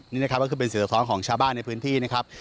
นี่นะครับก็คือเป็นเสียงสะท้อนของชาวบ้านในพื้นที่นะครับ